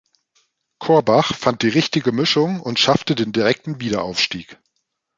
Korbach fand die richtige Mischung und schaffte den direkten Wiederaufstieg.